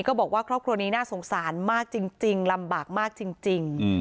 ก็บอกว่าครอบครัวนี้น่าสงสารมากจริงลำบากมากจริง